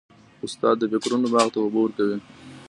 استاد د فکرونو باغ ته اوبه ورکوي.